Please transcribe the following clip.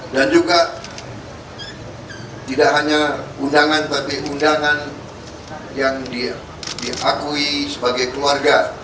dan juga tidak hanya undangan tapi undangan yang diakui sebagai keluarga